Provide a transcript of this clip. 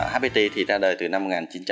hpt ra đời từ năm một nghìn chín trăm chín mươi năm